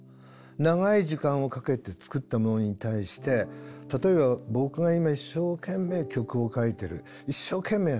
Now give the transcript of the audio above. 長い時間をかけて作ったものに対して例えば僕が今一生懸命曲を書いてる一生懸命やってる。